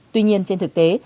tuy nhiên trên thực tế